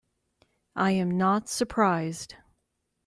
I am not surprised.